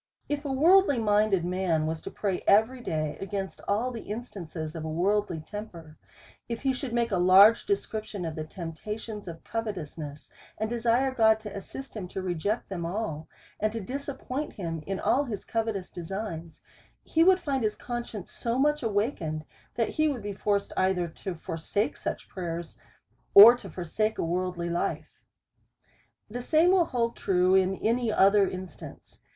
If a worldly minded man was to pray every day against all the instances of a worldly temper ; if he should make a large description of the temptations of covetousness, and desire God to assist him to reject them all, and to disappoint him in all his covetous de signs, he would find his conscience so much awaken ed, that he would be forced either to forsake such prayers, or to forsake a worldly life. The same will hold true, in any other instance.